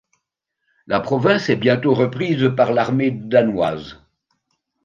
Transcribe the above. La province est bientôt reprise par l'armée danoise.